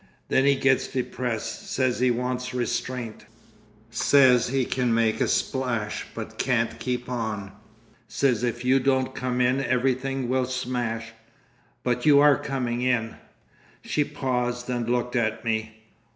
Then he gets depressed. Says he wants restraint. Says he can make a splash but can't keep on. Says if you don't come in everything will smash—But you are coming in?" She paused and looked at me.